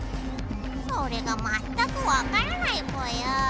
それがまったくわからないぽよ。